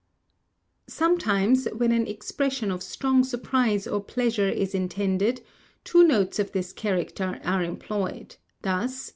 Sometimes, when an expression of strong surprise or pleasure is intended, two notes of this character are employed, thus!!